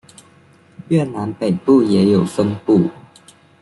越南北部也有分布。